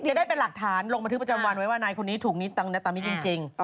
จะได้เป็นหลักฐานลงบันทึกประจำวันไว้ว่านายคนนี้ถูกตามนี้จริง